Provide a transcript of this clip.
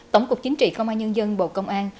tổng cục chính trị công an nhân dân bộ công an